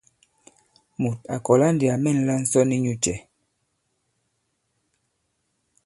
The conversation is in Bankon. Mùt à kɔ̀la ndī à mɛ̂nla ǹsɔn inyū cɛ ?